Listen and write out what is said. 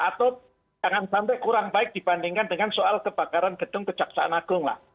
atau jangan sampai kurang baik dibandingkan dengan soal kebakaran gedung kejaksaan agung lah